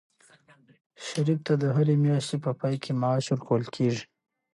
شریف ته د هرې میاشتې په پای کې معاش ورکول کېږي.